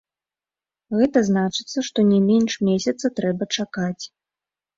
Гэта значыцца, што не менш месяца трэба чакаць.